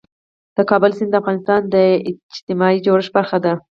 د کابل سیند د افغانستان د اجتماعي جوړښت برخه ده.